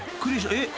えっ？